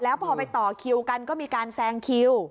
แล้วพอไปต่อคิวกันก็มีการแซงคิว